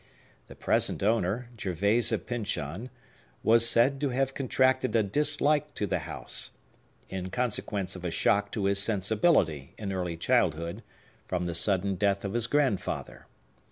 The present owner, Gervayse Pyncheon, was said to have contracted a dislike to the house, in consequence of a shock to his sensibility, in early childhood, from the sudden death of his grandfather.